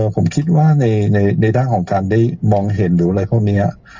ผมคิดว่าในด้านของการได้มองเห็นหรืออะไรพวกนี้